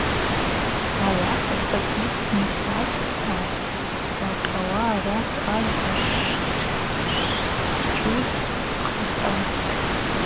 Ауаса, закӏгьи сымхӏвазтӏхӏва, сагӏвкъьауа арат ажвква шсхчуз хъацӏа.